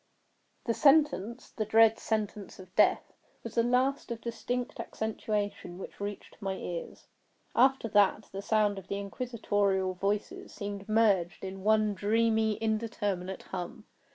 The sentence—the dread sentence of death—was the last of distinct accentuation which reached my ears. After that, the sound of the inquisitorial voices seemed merged in one dreamy indeterminate hum.